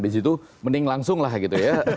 di situ mending langsung lah gitu ya